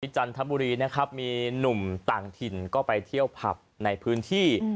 จันทบุรีนะครับมีหนุ่มต่างถิ่นก็ไปเที่ยวผับในพื้นที่